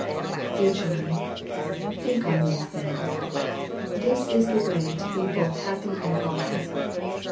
Dear children, think on these things. This is the way to be both happy and wise.